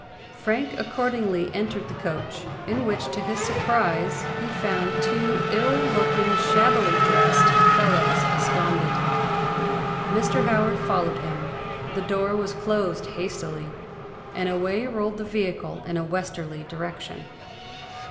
Frank accordingly entered the coach, in which, to his surprise, he found two ill looking, shabbily dressed fellows ensconced. Mr. Howard followed him—the door was closed hastily—and away rolled the vehicle in a westerly direction.